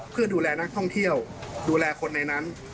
เพื่อดูแลนักท่องเที่ยวดูแลคนในนั้น